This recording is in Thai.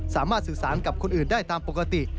สามารถสื่อสารกับคนอื่นได้ตามปกติ